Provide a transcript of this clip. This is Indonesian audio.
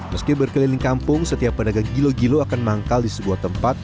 meski berkeliling kampung setiap pedagang gilo gilo akan manggal di sebuah tempat